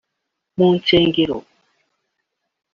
mu nsengero